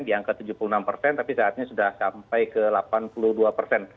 diangkat tujuh puluh enam persen tapi saat ini sudah sampai ke delapan puluh dua persen